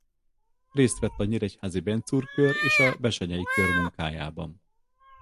Részt vett a nyíregyházi Benczúr Kör és a Bessenyei Kör munkájában.